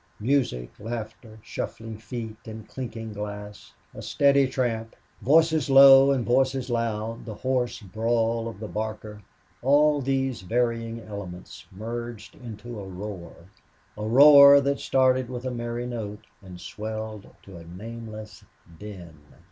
Music, laughter, shuffling feet and clinking glass, a steady tramp, voices low and voices loud, the hoarse brawl of the barker all these varying elements merged into a roar a roar that started with a merry note and swelled to a nameless din.